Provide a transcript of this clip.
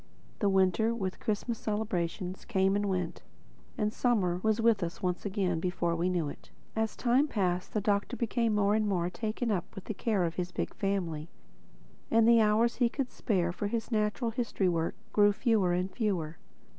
The Winter, with Christmas celebrations, came and went, and Summer was with us once again before we knew it. As time passed the Doctor became more and more taken up with the care of his big family; and the hours he could spare for his natural history work grew fewer and fewer.